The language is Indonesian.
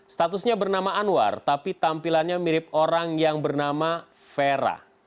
statusnya bernama anwar tapi tampilannya mirip orang yang bernama vera